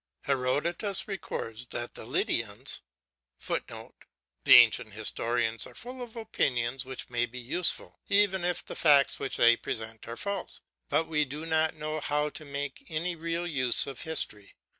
Herodotus records that the Lydians, [Footnote: The ancient historians are full of opinions which may be useful, even if the facts which they present are false. But we do not know how to make any real use of history.